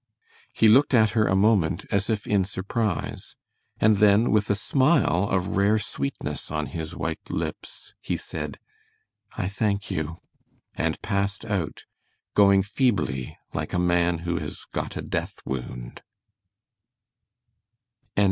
He looked at her a moment as if in surprise, and then, with a smile of rare sweetness on his white lips, he said, "I thank you," and passed out, going feebly like a man who has got a death wound.